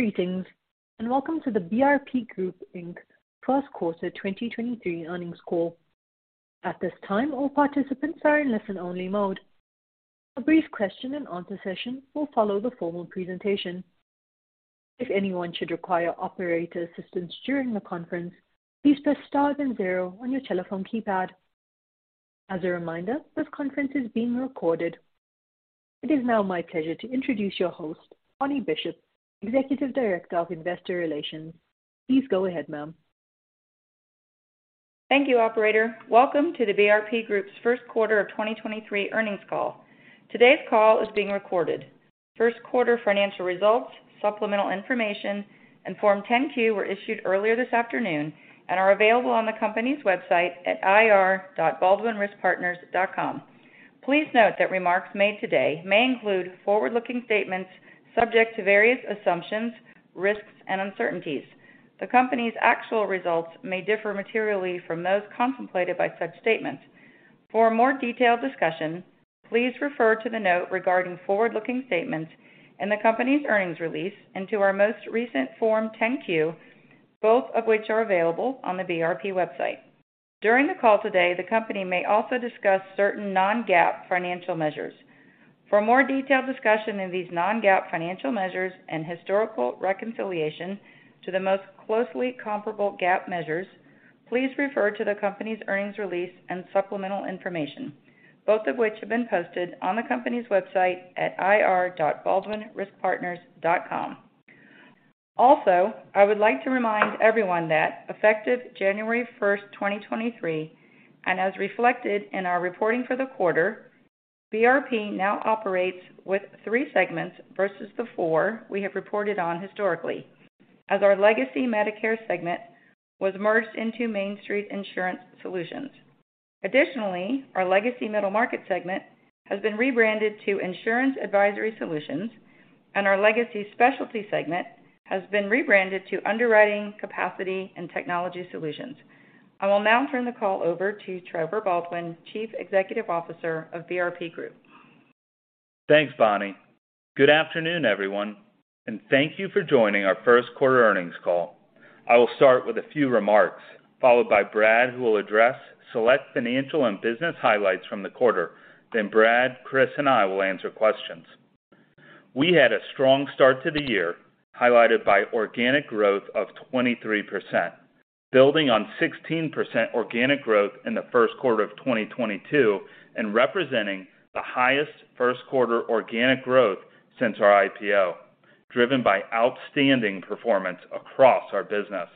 Greetings, welcome to the BRP Group, Inc. first quarter 2023 earnings call. At this time, all participants are in listen-only mode. A brief question-and-answer session will follow the formal presentation. If anyone should require operator assistance during the conference, please press Star and zero on your telephone keypad. As a reminder, this conference is being recorded. It is now my pleasure to introduce your host, Bonnie Bishop, Executive Director of Investor Relations. Please go ahead, ma'am. Thank you, operator. Welcome to the BRP Group's first quarter of 2023 earnings call. Today's call is being recorded. First quarter financial results, supplemental information and Form 10-Q were issued earlier this afternoon and are available on the company's website at ir.baldwinriskpartners.com. Please note that remarks made today may include forward-looking statements subject to various assumptions, risks and uncertainties. The company's actual results may differ materially from those contemplated by such statements. For a more detailed discussion, please refer to the note regarding forward-looking statements in the company's earnings release and to our most recent Form 10-Q, both of which are available on the BRP website. During the call today, the company may also discuss certain non-GAAP financial measures. For a more detailed discussion of these non-GAAP financial measures and historical reconciliation to the most closely comparable GAAP measures, please refer to the company's earnings release and supplemental information, both of which have been posted on the company's website at ir.baldwinriskpartners.com. I would like to remind everyone that effective January 1, 2023, and as reflected in our reporting for the quarter, BRP now operates with three segments versus the four we have reported on historically as our legacy Medicare segment was merged into Main Street Insurance Solutions. Additionally, our legacy middle market segment has been rebranded to Insurance Advisory Solutions, and our legacy specialty segment has been rebranded to Underwriting, Capacity & Technology Solutions. I will now turn the call over to Trevor Baldwin, Chief Executive Officer of BRP Group. Thanks, Bonnie. Good afternoon, everyone, and thank you for joining our first quarter earnings call. I will start with a few remarks, followed by Brad, who will address select financial and business highlights from the quarter. Brad, Chris and I will answer questions. We had a strong start to the year, highlighted by organic growth of 23%, building on 16% organic growth in the first quarter of 2022, and representing the highest first quarter organic growth since our IPO, driven by outstanding performance across our business.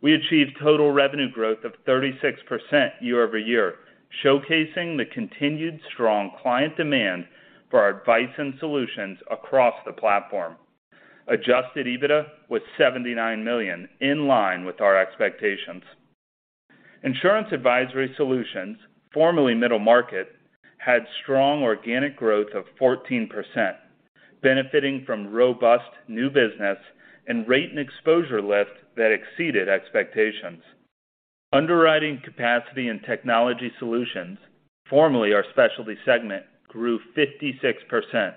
We achieved total revenue growth of 36% year-over-year, showcasing the continued strong client demand for our advice and solutions across the platform. Adjusted EBITDA was $79 million, in line with our expectations. Insurance Advisory Solutions, formerly Middle Market, had strong organic growth of 14%, benefiting from robust new business and rate and exposure lift that exceeded expectations. Underwriting, Capacity & Technology Solutions, formerly our specialty segment, grew 56%.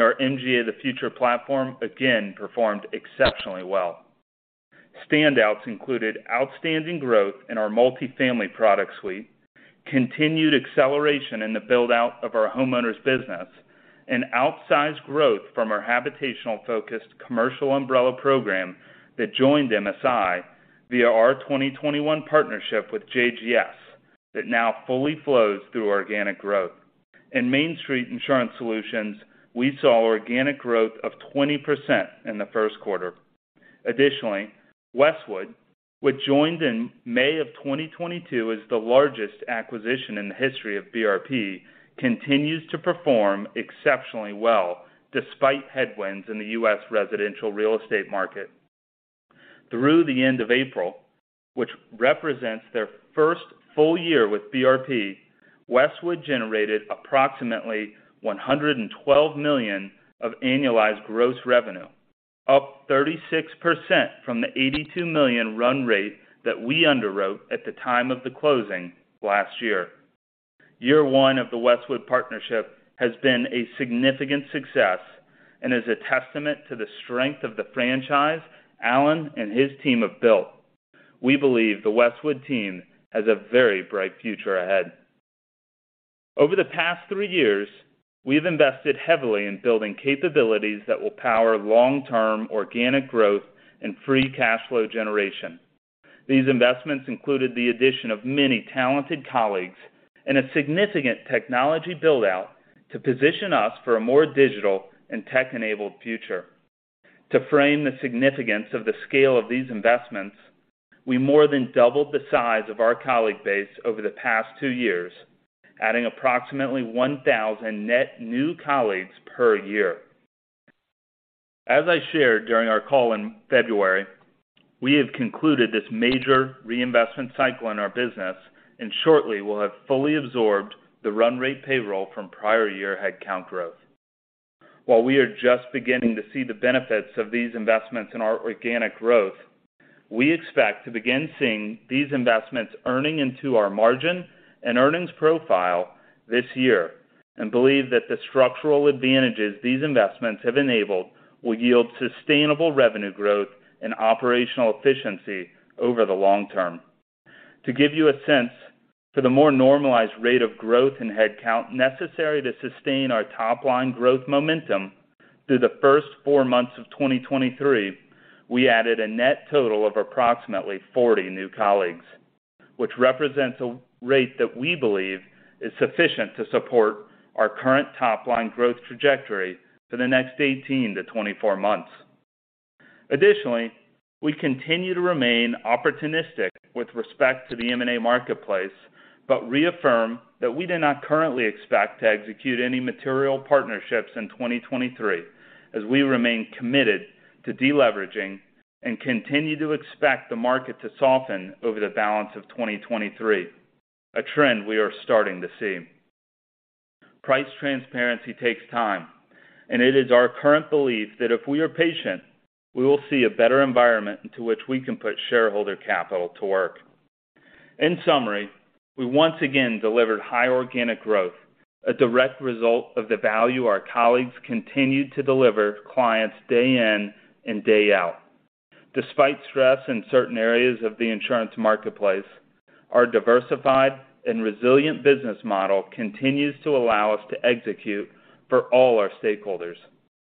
Our MGA of the Future platform again performed exceptionally well. Standouts included outstanding growth in our multifamily product suite, continued acceleration in the build-out of our homeowners business, and outsized growth from our habitational-focused commercial umbrella program that joined MSI via our 2021 partnership with JGS that now fully flows through organic growth. In Main Street Insurance Solutions, we saw organic growth of 20% in the first quarter. Westwood, which joined in May of 2022 as the largest acquisition in the history of BRP, continues to perform exceptionally well despite headwinds in the US residential real estate market. Through the end of April, which represents their first full year with BRP, Westwood generated approximately $112 million of annualized gross revenue, up 36% from the $82 million run rate that we underwrote at the time of the closing last year. Year one of the Westwood partnership has been a significant success and is a testament to the strength of the franchise Alan and his team have built. We believe the Westwood team has a very bright future ahead. Over the past three years, we've invested heavily in building capabilities that will power long-term organic growth and free cash flow generation. These investments included the addition of many talented colleagues and a significant technology build-out to position us for a more digital and tech-enabled future. To frame the significance of the scale of these investments, we more than doubled the size of our colleague base over the past two years, adding approximately 1,000 net new colleagues per year. As I shared during our call in February, we have concluded this major reinvestment cycle in our business and shortly will have fully absorbed the run rate payroll from prior year headcount growth. While we are just beginning to see the benefits of these investments in our organic growth. We expect to begin seeing these investments earning into our margin and earnings profile this year, and believe that the structural advantages these investments have enabled will yield sustainable revenue growth and operational efficiency over the long term. To give you a sense for the more normalized rate of growth in headcount necessary to sustain our top line growth momentum through the first four months of 2023, we added a net total of approximately 40 new colleagues, which represents a rate that we believe is sufficient to support our current top line growth trajectory for the next 18 to 24 months. We continue to remain opportunistic with respect to the M&A marketplace, but reaffirm that we do not currently expect to execute any material partnerships in 2023, as we remain committed to deleveraging and continue to expect the market to soften over the balance of 2023, a trend we are starting to see. Price transparency takes time, and it is our current belief that if we are patient, we will see a better environment into which we can put shareholder capital to work. In summary, we once again delivered high organic growth, a direct result of the value our colleagues continued to deliver to clients day in and day out. Despite stress in certain areas of the insurance marketplace, our diversified and resilient business model continues to allow us to execute for all our stakeholders.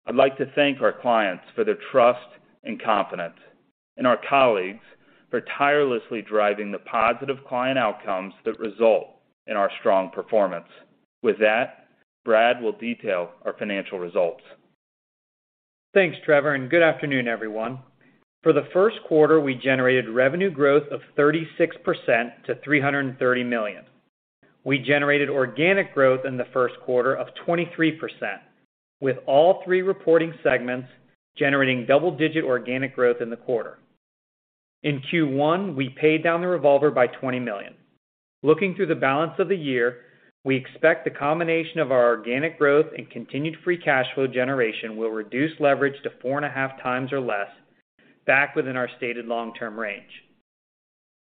I'd like to thank our clients for their trust and confidence, and our colleagues for tirelessly driving the positive client outcomes that result in our strong performance. With that, Brad will detail our financial results. Thanks, Trevor. Good afternoon, everyone. For the first quarter, we generated revenue growth of 36% to $330 million. We generated organic growth in the first quarter of 23%, with all three reporting segments generating double-digit organic growth in the quarter. In Q1, we paid down the revolver by $20 million. Looking through the balance of the year, we expect the combination of our organic growth and continued free cash flow generation will reduce leverage to 4.5x or less back within our stated long-term range.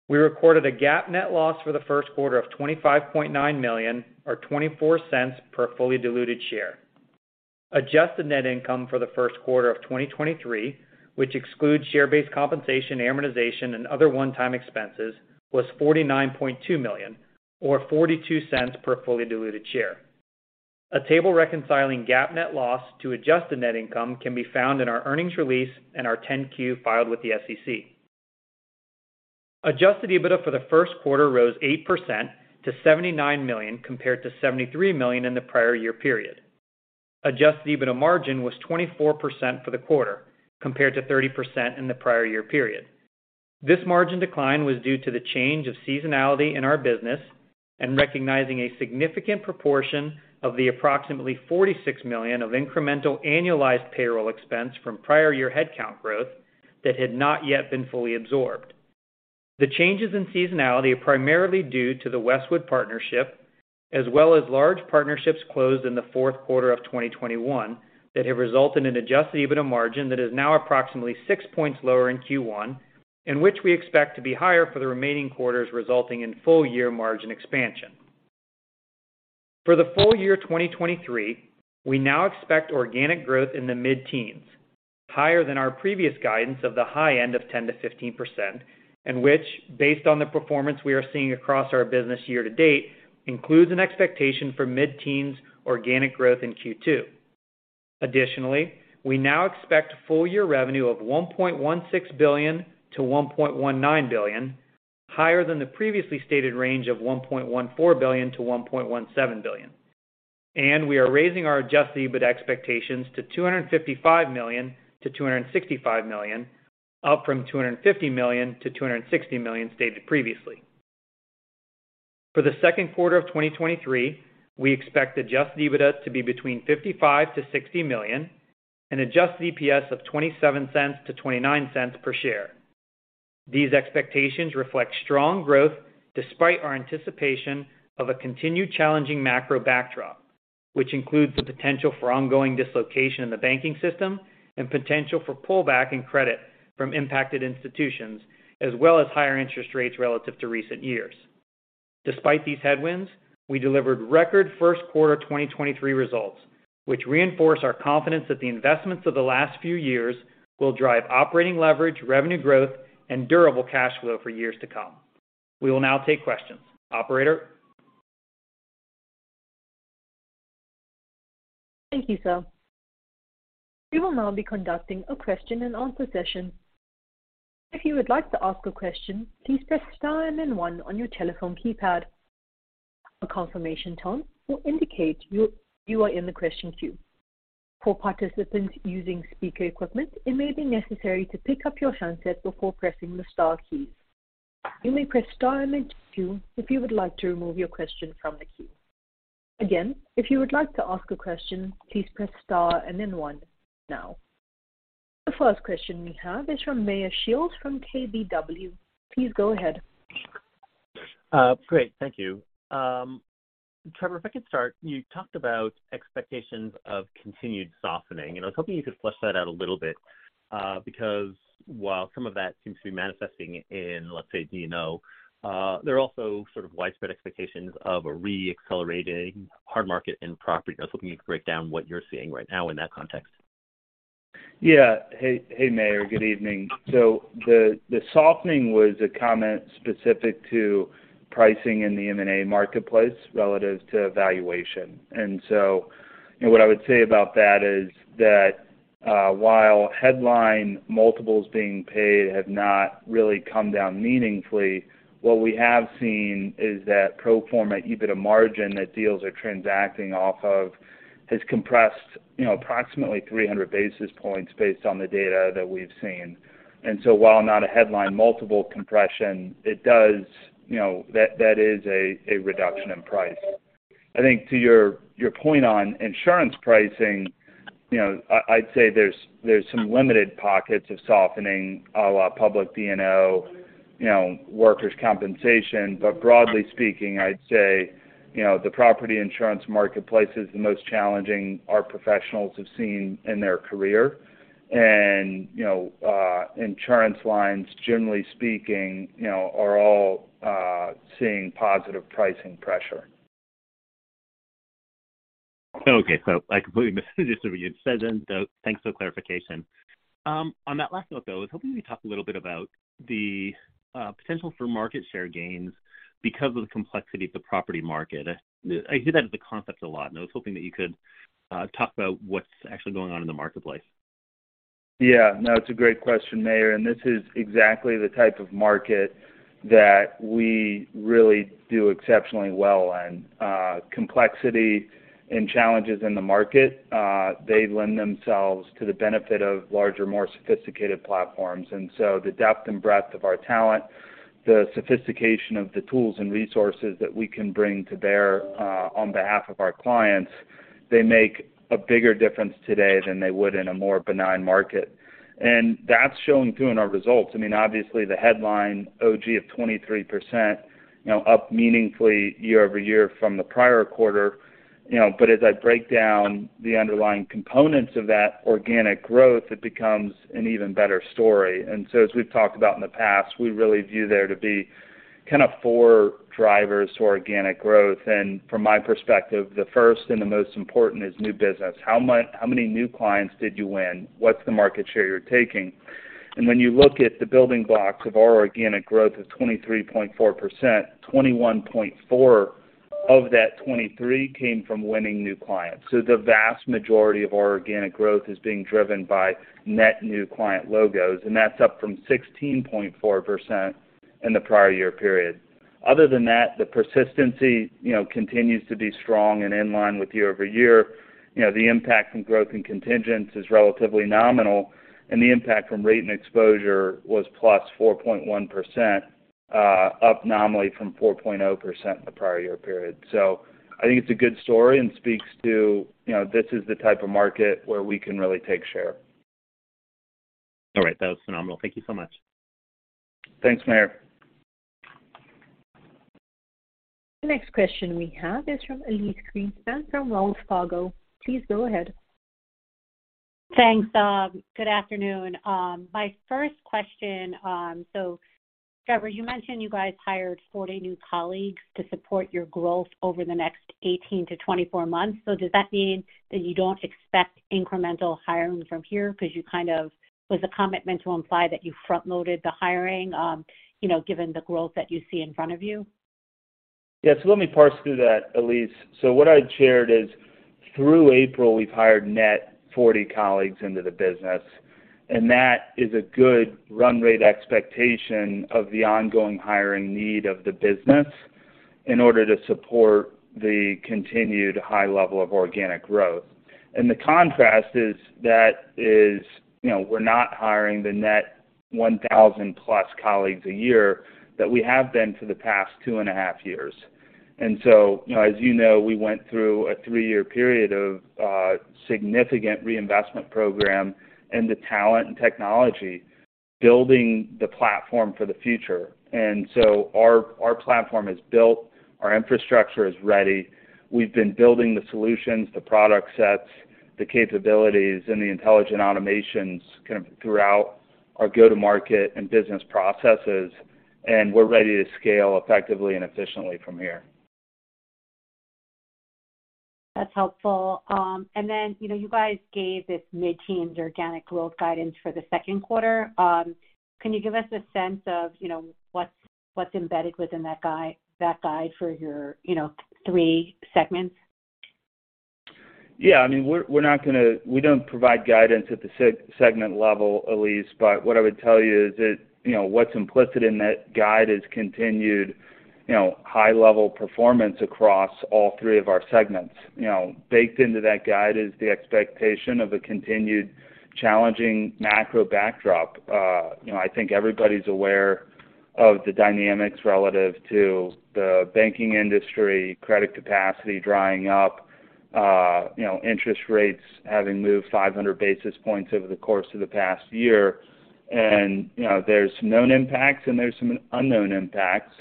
We recorded a GAAP net loss for the first quarter of $25.9 million or $0.24 per fully diluted share. Adjusted Net Income for the first quarter of 2023, which excludes share-based compensation, amortization, and other one-time expenses, was $49.2 million or $0.42 per fully diluted share. A table reconciling GAAP net loss to Adjusted Net Income can be found in our earnings release and our Form 10-Q filed with the SEC. Adjusted EBITDA for the first quarter rose 8% to $79 million compared to $73 million in the prior year period. Adjusted EBITDA margin was 24% for the quarter compared to 30% in the prior year period. This margin decline was due to the change of seasonality in our business and recognizing a significant proportion of the approximately $46 million of incremental annualized payroll expense from prior year headcount growth that had not yet been fully absorbed. The changes in seasonality are primarily due to the Westwood partnership, as well as large partnerships closed in the fourth quarter of 2021 that have resulted in adjusted EBITDA margin that is now approximately six points lower in Q1, and which we expect to be higher for the remaining quarters, resulting in full year margin expansion. For the full year 2023, we now expect organic growth in the mid-teens, higher than our previous guidance of the high end of 10%-15%, and which, based on the performance we are seeing across our business year to date, includes an expectation for mid-teens organic growth in Q2. Additionally, we now expect full year revenue of $1.16 billion-$1.19 billion, higher than the previously stated range of $1.14 billion-$1.17 billion. We are raising our adjusted EBITDA expectations to $255 million-$265 million, up from $250 million-$260 million stated previously. For the second quarter of 2023, we expect adjusted EBITDA to be between $55 million-$60 million and adjusted EPS of $0.27-$0.29 per share. These expectations reflect strong growth despite our anticipation of a continued challenging macro backdrop, which includes the potential for ongoing dislocation in the banking system and potential for pullback in credit from impacted institutions, as well as higher interest rates relative to recent years. Despite these headwinds, we delivered record first quarter 2023 results, which reinforce our confidence that the investments of the last few years will drive operating leverage, revenue growth, and durable cash flow for years to come. We will now take questions. Operator? Thank you, sir. We will now be conducting a question and answer session. If you would like to ask a question, please press star and then one on your telephone keypad. A confirmation tone will indicate you are in the question queue. For participants using speaker equipment, it may be necessary to pick up your handset before pressing the star key. You may press star and then two if you would like to remove your question from the queue. Again, if you would like to ask a question, please press star and then one now. The first question we have is from Meyer Shields from KBW. Please go ahead. Great. Thank you. Trevor, if I could start, you talked about expectations of continued softening, and I was hoping you could flesh that out a little bit, because while some of that seems to be manifesting in, let's say, D&O, there are also sort of widespread expectations of a re-accelerating hard market in property. I was hoping you could break down what you're seeing right now in that context. Yeah. Hey, Meyer. Good evening. The softening was a comment specific to pricing in the M&A marketplace relative to valuation. You know, what I would say about that is that, while headline multiples being paid have not really come down meaningfully, what we have seen is that pro forma EBITDA margin that deals are transacting off of has compressed, you know, approximately 300 basis points based on the data that we've seen. While not a headline multiple compression, it does. You know, that is a reduction in price. I think to your point on insurance pricing, you know, I'd say there's some limited pockets of softening a la public D&O, you know, workers' compensation. Broadly speaking, I'd say, you know, the property insurance marketplace is the most challenging our professionals have seen in their career. You know, insurance lines, generally speaking, you know, are all seeing positive pricing pressure. Okay. I completely missed what you said then. Thanks for the clarification. On that last note, though, I was hoping you could talk a little bit about the potential for market share gains because of the complexity of the property market. I hear that as a concept a lot, and I was hoping that you could talk about what's actually going on in the marketplace. Yeah. No, it's a great question, Meyer, this is exactly the type of market that we really do exceptionally well in. Complexity and challenges in the market, they lend themselves to the benefit of larger, more sophisticated platforms. The depth and breadth of our talent, the sophistication of the tools and resources that we can bring to bear on behalf of our clients, they make a bigger difference today than they would in a more benign market. That's showing too in our results. I mean, obviously, the headline OG of 23%, you know, up meaningfully year-over-year from the prior quarter, you know. As I break down the underlying components of that organic growth, it becomes an even better story. As we've talked about in the past, we really view there to be kind of four drivers to organic growth. From my perspective, the first and the most important is new business. How many new clients did you win? What's the market share you're taking? When you look at the building blocks of our organic growth of 23.4%, 21.4 of that 23 came from winning new clients. The vast majority of our organic growth is being driven by net new client logos, and that's up from 16.4% in the prior year period. Other than that, the persistency, you know, continues to be strong and in line with year-over-year. You know, the impact from growth and contingents is relatively nominal. The impact from rate and exposure was +4.1%, up nominally from 4.0% in the prior year period. I think it's a good story and speaks to, you know, this is the type of market where we can really take share. All right. That was phenomenal. Thank you so much. Thanks, Meyer. The next question we have is from Elyse Greenspan from Wells Fargo. Please go ahead. Thanks. Good afternoon. My first question, so Trevor, you mentioned you guys hired 40 new colleagues to support your growth over the next 18 to 24 months. Does that mean that you don't expect incremental hiring from here? Was the comment meant to imply that you front-loaded the hiring, you know, given the growth that you see in front of you? Let me parse through that, Elyse. What I shared is through April, we've hired net 40 colleagues into the business, and that is a good run rate expectation of the ongoing hiring need of the business in order to support the continued high level of organic growth. The contrast is that is, you know, we're not hiring the net 1,000 plus colleagues a year that we have been for the past two and a half years. As you know, we went through a three year period of significant reinvestment program into talent and technology, building the platform for the future. Our, our platform is built, our infrastructure is ready. We've been building the solutions, the product sets, the capabilities and the intelligent automations kind of throughout our go-to-market and business processes, and we're ready to scale effectively and efficiently from here. That's helpful. You know, you guys gave this mid-teen organic growth guidance for the second quarter. Can you give us a sense of, you know, what's embedded within that guide for your, you know, three segments? Yeah. I mean, we don't provide guidance at the segment level, Elise. What I would tell you is that, you know, what's implicit in that guide is continued, you know, high-level performance across all three of our segments. You know, baked into that guide is the expectation of a continued challenging macro backdrop. You know, I think everybody's aware of the dynamics relative to the banking industry, credit capacity drying up, you know, interest rates having moved 500 basis points over the course of the past year. You know, there's known impacts and there's some unknown impacts.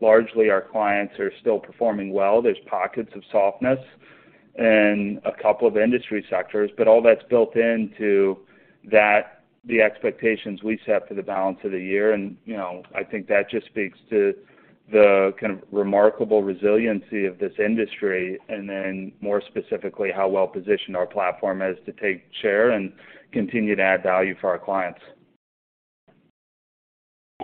Largely our clients are still performing well. There's pockets of softness in a couple of industry sectors, but all that's built into that, the expectations we set for the balance of the year. You know, I think that just speaks to the kind of remarkable resiliency of this industry, and then more specifically, how well-positioned our platform is to take share and continue to add value for our clients.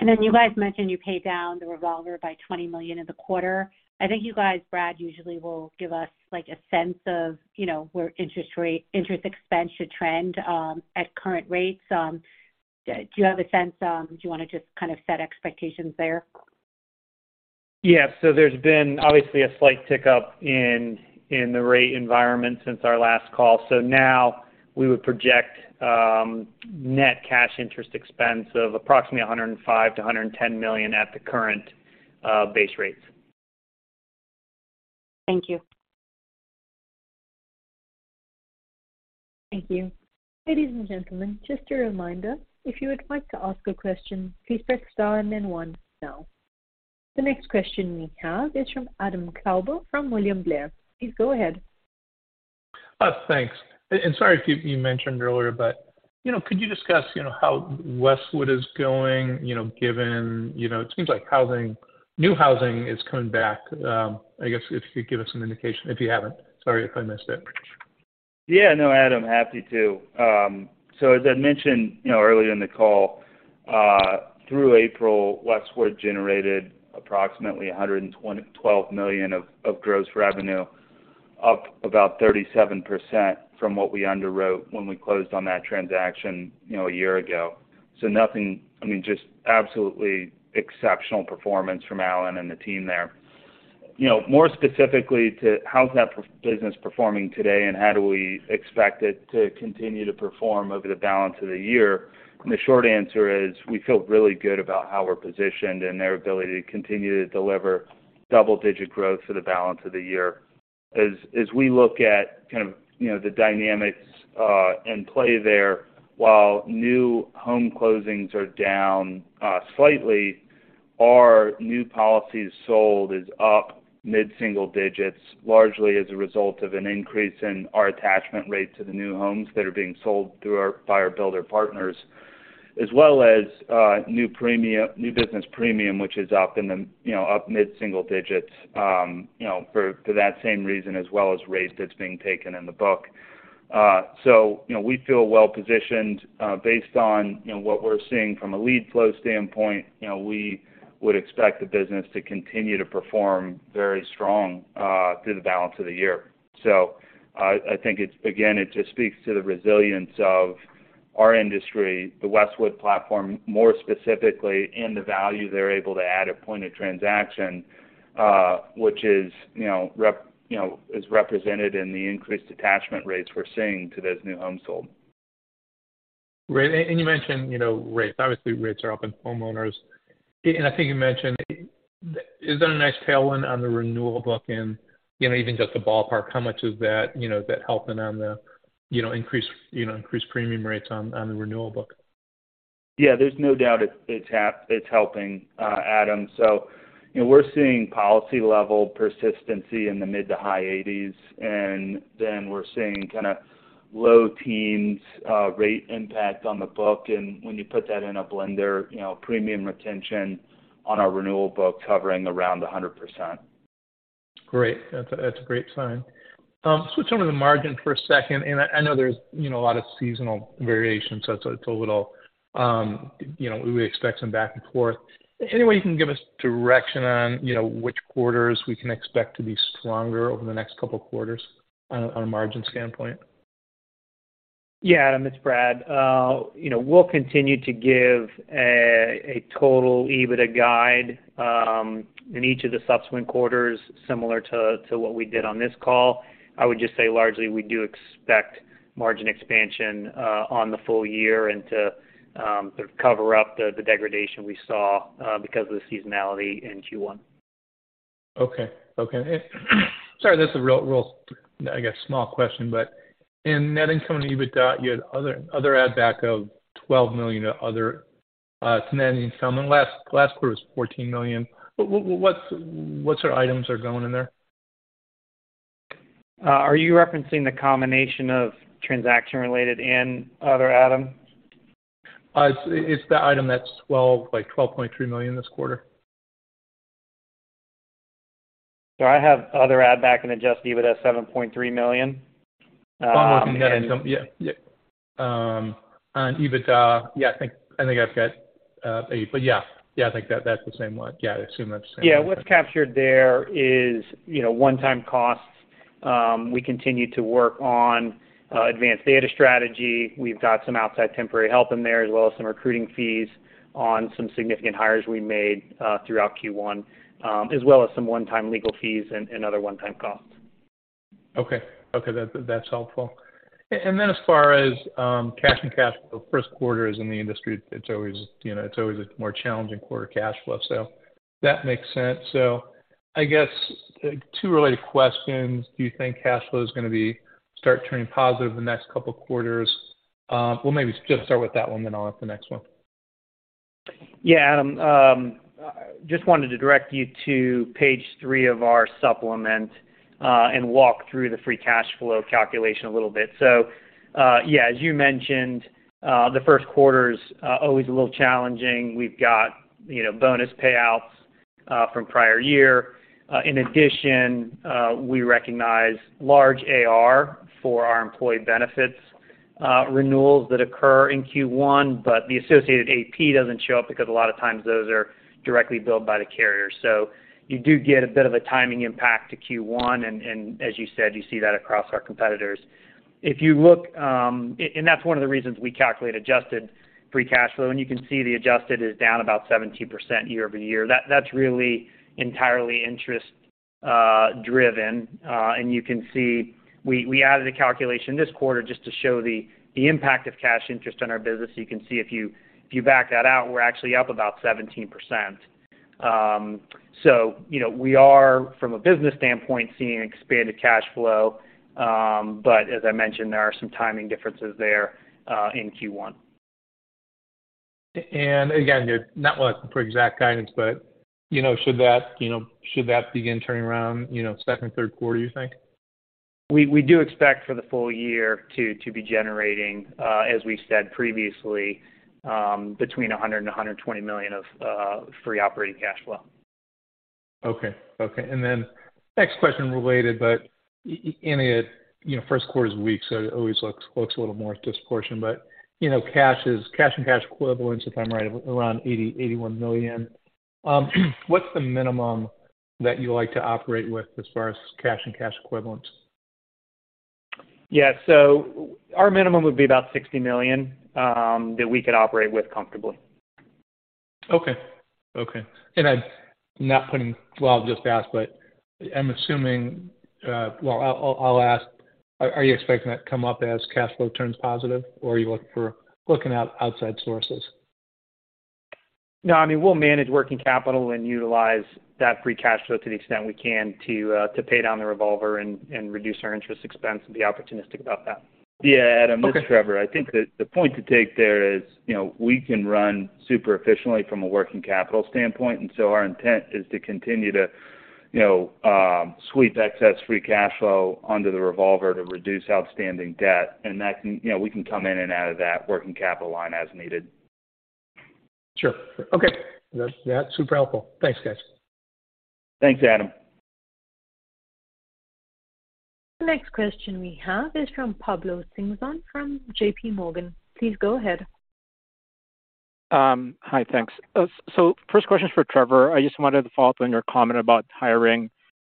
You guys mentioned you paid down the revolver by $20 million in the quarter. I think you guys, Brad, usually will give us, like, a sense of, you know, where interest expense should trend at current rates. Do you have a sense, do you wanna just kind of set expectations there? Yeah. There's been obviously a slight tick-up in the rate environment since our last call. Now we would project net cash interest expense of approximately $105 million-$110 million at the current base rates. Thank you. Thank you. Ladies and gentlemen, just a reminder, if you would like to ask a question, please press star and then one now. The next question we have is from Adam Klauber from William Blair. Please go ahead. Thanks. Sorry if you mentioned earlier, but, you know, could you discuss, you know, how Westwood is going, you know, given, you know, it seems like housing, new housing is coming back? I guess if you could give us some indication, if you haven't. Sorry if I missed it. Yeah. No, Adam, happy to. As I'd mentioned, you know, earlier in the call, through April, Westwood generated approximately $112 million of gross revenue, up about 37% from what we underwrote when we closed on that transaction, you know, a year ago. Nothing... I mean, just absolutely exceptional performance from Alan and the team there. You know, more specifically to how's that business performing today and how do we expect it to continue to perform over the balance of the year. The short answer is we feel really good about how we're positioned and their ability to continue to deliver double-digit growth for the balance of the year. As we look at kind of, you know, the dynamics in play there, while new home closings are down slightly, our new policies sold is up mid-single digits, largely as a result of an increase in our attachment rate to the new homes that are being sold through our buyer builder partners, as well as new business premium, which is in the, you know, up mid-single digits, you know, for that same reason, as well as rates that's being taken in the book. You know, we feel well positioned, based on, you know, what we're seeing from a lead flow standpoint. You know, we would expect the business to continue to perform very strong through the balance of the year. I think it's, again, it just speaks to the resilience of our industry, the Westwood platform, more specifically in the value they're able to add at point of transaction, which is, you know, is represented in the increased attachment rates we're seeing to those new homes sold. Great. You mentioned, you know, rates. Obviously, rates are up in homeowners. I think you mentioned, is that a nice tailwind on the renewal book and, you know, even just a ballpark, how much is that, you know, that helping on the, you know, increase, you know, increase premium rates on the renewal book? Yeah, there's no doubt it's helping, Adam. You know, we're seeing policy level persistency in the mid to high 80s, we're seeing kinda low teens rate impact on the book. When you put that in a blender, you know, premium retention on our renewal book covering around 100%. Great. That's a great sign. Switching over to the margin for a second, I know there's, you know, a lot of seasonal variation, so it's a little, you know, we expect some back and forth. Any way you can give us direction on, you know, which quarters we can expect to be stronger over the next couple quarters on a margin standpoint? Yeah, Adam. It's Brad. you know, we'll continue to give a total EBITDA guide in each of the subsequent quarters similar to what we did on this call. I would just say largely we do expect margin expansion on the full year and to sort of cover up the degradation we saw because of the seasonality in Q1. Okay. Okay. Sorry, this is a real, I guess, small question. In net income to EBITDA, you had other add back of $12 million to other to net income. Last quarter was $14 million. What sort of items are going in there? Are you referencing the combination of transaction related and other, Adam? It's the item that's 12, like $12.3 million this quarter. I have other add back and adjusted EBITDA $7.3 million. On working net income. Yeah. Yeah. On EBITDA. Yeah, I think I've got. Yeah. Yeah, I think that's the same one. Yeah, I assume that's the same one. Yeah. What's captured there is, you know, one-time costs. We continue to work on advanced data strategy. We've got some outside temporary help in there as well as some recruiting fees on some significant hires we made throughout Q1, as well as some one-time legal fees and other one-time costs. Okay. Okay. That's helpful. As far as, cash, the first quarter is in the industry, it's always, you know, a more challenging quarter cash flow. That makes sense. I guess like two related questions. Do you think cash flow is gonna be start turning positive in the next couple quarters? Well maybe just start with that one, I'll ask the next one. Yeah, Adam, just wanted to direct you to page three of our supplement and walk through the free cash flow calculation a little bit. Yeah, as you mentioned, the first quarter's always a little challenging. We've got, you know, bonus payouts from prior year. In addition, we recognize large AR for our employee benefits renewals that occur in Q1, but the associated AP doesn't show up because a lot of times those are directly billed by the carrier. You do get a bit of a timing impact to Q1 and as you said, you see that across our competitors. If you look, that's one of the reasons we calculate adjusted free cash flow. You can see the adjusted is down about 70% year-over-year. That's really entirely interest driven. You can see we added a calculation this quarter just to show the impact of cash interest on our business. You can see if you back that out, we're actually up about 17%. You know, we are from a business standpoint, seeing expanded cash flow. As I mentioned, there are some timing differences there in Q1. Again, you're not looking for exact guidance, but, you know, should that, you know, should that begin turning around, you know, second, third quarter, you think? We do expect for the full year to be generating, as we said previously, between $100 million and $120 million of free operating cash flow. Okay. Okay. Next question related, but in it, you know, first quarter is weak, so it always looks a little more disproportion. You know, Cash and cash equivalents, if I'm right, around $81 million. What's the minimum that you like to operate with as far as cash and cash equivalents? Yeah. Our minimum would be about $60 million, that we could operate with comfortably. Okay. Okay. Well, I'll just ask. Well, I'll ask. Are you expecting that to come up as cash flow turns positive, or are you looking at outside sources? I mean, we'll manage working capital and utilize that free cash flow to the extent we can to pay down the revolver and reduce our interest expense and be opportunistic about that. Yeah, Adam, this is Trevor. Okay. I think the point to take there is, you know, we can run super efficiently from a working capital standpoint, our intent is to continue to, you know, sweep excess free cash flow under the revolver to reduce outstanding debt. That can, you know, we can come in and out of that working capital line as needed. Sure. Okay. Yeah. Yeah. Super helpful. Thanks, guys. Thanks, Adam. The next question we have is from Pablo Singzon from JP Morgan. Please go ahead. Hi. Thanks. First question is for Trevor. I just wanted to follow up on your comment about hiring.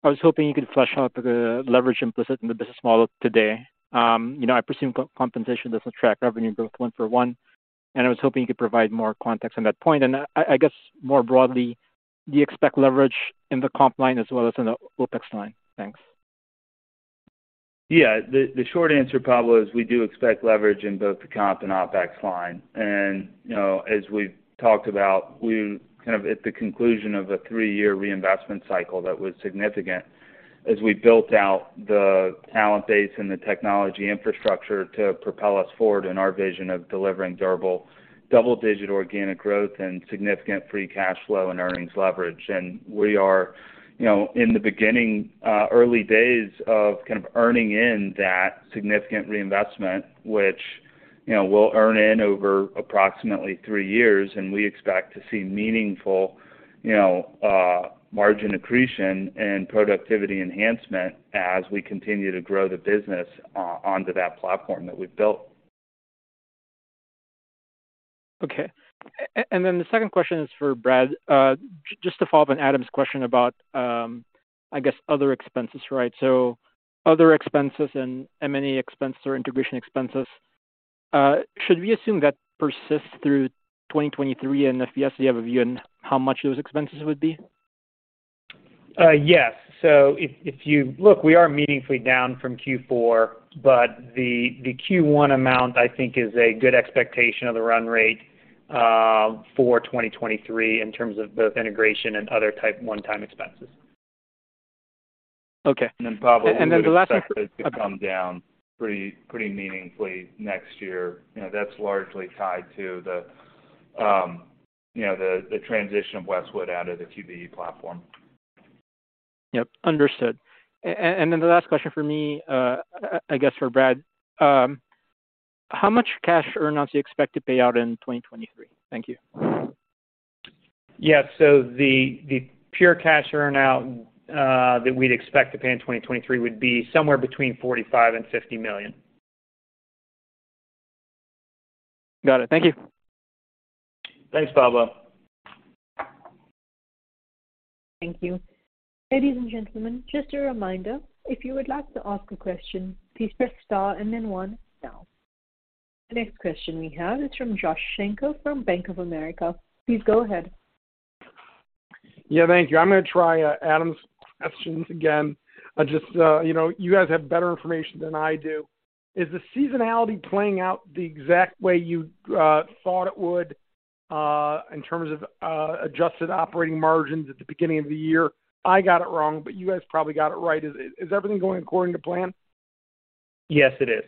I was hoping you could flesh out the leverage implicit in the business model today. You know, I presume co-compensation doesn't track revenue growth one for one, and I was hoping you could provide more context on that point. I guess more broadly, do you expect leverage in the comp line as well as in the OpEx line? Thanks. Yeah. The short answer, Pablo Singzon, is we do expect leverage in both the comp and OpEx line. You know, as we've talked about, we kind of at the conclusion of a three year reinvestment cycle that was significant as we built out the talent base and the technology infrastructure to propel us forward in our vision of delivering durable double-digit organic growth and significant free cash flow and earnings leverage. We are, you know, in the beginning, early days of kind of earning in that significant reinvestment, which, you know, we'll earn in over approximately three years, and we expect to see meaningful, you know, margin accretion and productivity enhancement as we continue to grow the business onto that platform that we've built. Okay. The second question is for Brad, just to follow up on Adam's question about, I guess other expenses, right? Other expenses and M&A expenses or integration expenses, should we assume that persists through 2023? If yes, do you have a view on how much those expenses would be? Yes. Look, we are meaningfully down from Q4, but the Q1 amount, I think is a good expectation of the run rate for 2023 in terms of both integration and other type one-time expenses. Okay. Pablo- And then the last- We would expect it to come down pretty meaningfully next year. You know, that's largely tied to the, you know, the transition of Westwood out of the QBE platform. Yep, understood. The last question for me, I guess for Brad, how much cash earn outs do you expect to pay out in 2023? Thank you. Yeah. The pure cash earn out that we'd expect to pay in 2023 would be somewhere between $45 million and $50 million. Got it. Thank you. Thanks, Pablo. Thank you. Ladies and gentlemen, just a reminder, if you would like to ask a question, please press star and then one now. The next question we have is from Joshua Shanker from Bank of America. Please go ahead. Yeah, thank you. I'm gonna try, Adam's questions again. Just, you know, you guys have better information than I do. Is the seasonality playing out the exact way you thought it would in terms of adjusted operating margins at the beginning of the year? I got it wrong, but you guys probably got it right. Is everything going according to plan? Yes, it is.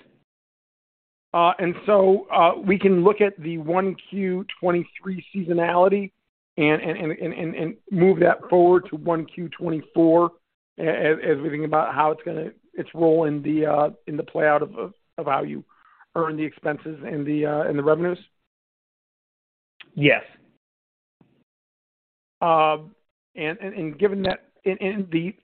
We can look at the 1Q 2023 seasonality and move that forward to 1Q 2024 as we think about how it's gonna... its role in the play out of how you earn the expenses and the revenues? Yes. Given that and the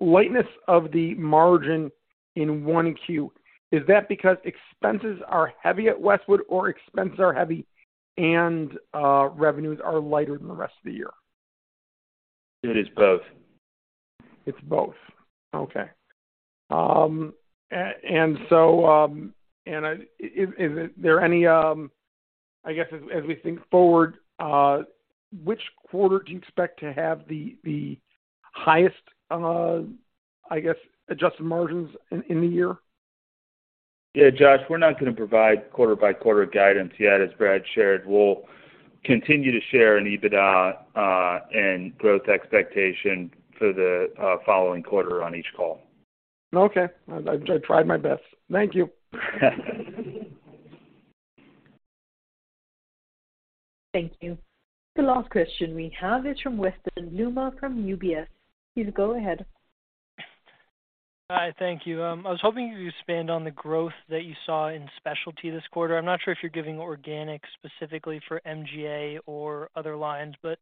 lightness of the margin in 1Q, is that because expenses are heavy at Westwood or expenses are heavy and, revenues are lighter than the rest of the year? It is both. It's both. Okay. Are there any, I guess as we think forward, which quarter do you expect to have the highest, I guess, adjusted margins in the year? Yeah, Josh, we're not gonna provide quarter by quarter guidance yet. As Brad shared, we'll continue to share an EBITDA, and growth expectation for the following quarter on each call. Okay. I tried my best. Thank you. Thank you. The last question we have is from Weston Bloomer, from UBS. Please go ahead. Hi. Thank you. I was hoping you could expand on the growth that you saw in Specialty this quarter. I'm not sure if you're giving organic specifically for MGA or other lines, but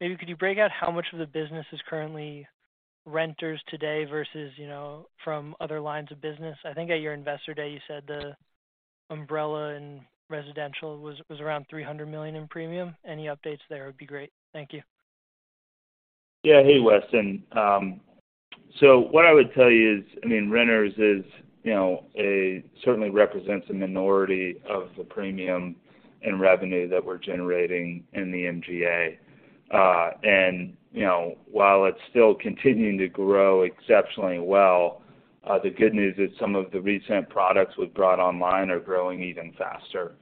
maybe could you break out how much of the business is currently renters today versus, you know, from other lines of business? I think at your investor day, you said the umbrella and residential was around $300 million in premium. Any updates there would be great. Thank you. Hey, Weston. What I would tell you is, I mean, renters is certainly represents a minority of the premium and revenue that we're generating in the MGA. You know, while it's still continuing to grow exceptionally well, the good news is some of the recent products we've brought online are growing even faster,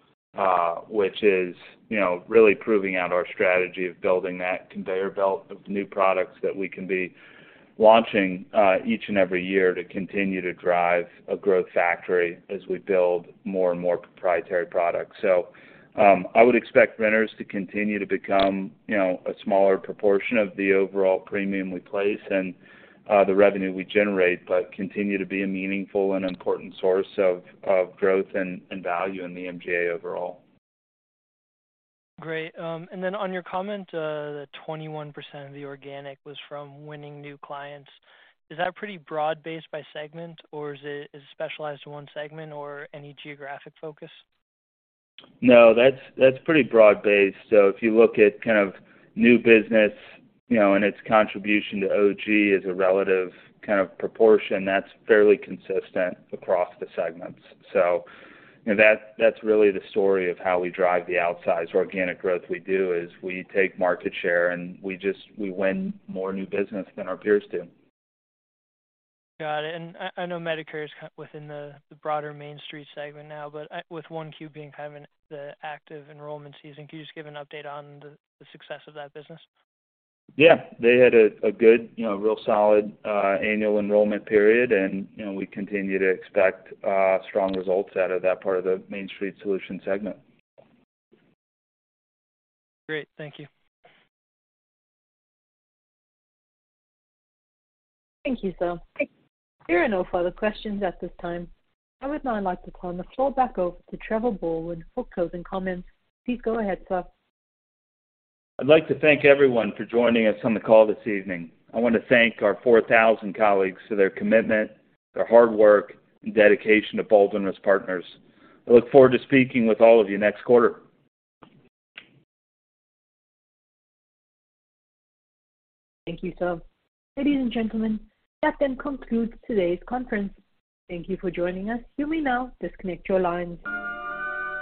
which is, you know, really proving out our strategy of building that conveyor belt of new products that we can be launching each and every year to continue to drive a growth factory as we build more and more proprietary products. I would expect renters to continue to become, you know, a smaller proportion of the overall premium we place and the revenue we generate, but continue to be a meaningful and important source of growth and value in the MGA overall. Great. On your comment, that 21% of the organic was from winning new clients, is that pretty broad-based by segment or is it specialized in one segment or any geographic focus? That's pretty broad-based. If you look at kind of new business, you know, and its contribution to OG as a relative kind of proportion, that's fairly consistent across the segments. You know, that's really the story of how we drive the outsized organic growth we do, is we take market share, and we just win more new business than our peers do. Got it. I know Medicare is within the broader Mainstreet segment now, but with 1 Q being kind of in the active enrollment season, can you just give an update on the success of that business? Yeah. They had a good, you know, real solid annual enrollment period and, you know, we continue to expect strong results out of that part of the Main Street Insurance Solutions segment. Great. Thank you. Thank you, sir. There are no further questions at this time. I would now like to turn the floor back over to Trevor Baldwin for closing comments. Please go ahead, sir. I'd like to thank everyone for joining us on the call this evening. I wanna thank our 4,000 colleagues for their commitment, their hard work and dedication to Baldwin's Partners. I look forward to speaking with all of you next quarter. Thank you, sir. Ladies and gentlemen, that then concludes today's conference. Thank you for joining us. You may now disconnect your lines.